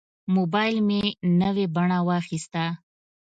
موبایل مې نوې بڼه واخیسته.